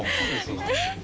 えっ！